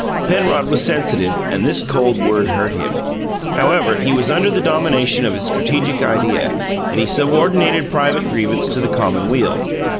Penrod was sensitive, and this cold word hurt him. However, he was under the domination of his strategic idea, and he subordinated private grievance to the common weal.